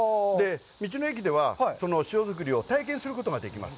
道の駅では、その塩作りを体験することができます。